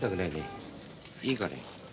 いいかね？